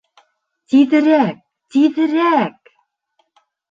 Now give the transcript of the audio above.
— Тиҙерәк, тиҙерәк!..